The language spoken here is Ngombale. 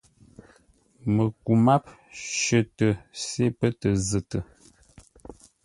Məku máp shətə se pə́ tə zətə.